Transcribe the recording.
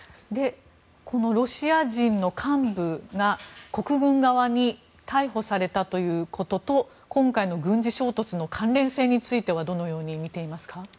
ロシア人の幹部が国軍側に逮捕されたということと今回の軍事衝突の関連性についてはどのようにみていますか？